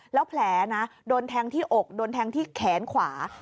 แล้วแผลนะโดนแทงที่อกโดนแทงที่แขนขวา